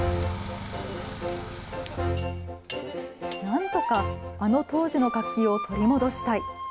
なんとかあの当時の活気を取り戻したい。